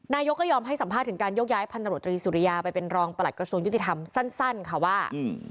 นายกก็ยอมให้สัมภาษณ์ถึงการยกย้ายพันธบตรีสุริยาไปเป็นรองประหลัดกระทรวงยุติธรรมสั้นค่ะว่า